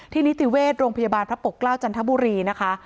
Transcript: นิติเวชโรงพยาบาลพระปกเกล้าจันทบุรีนะคะ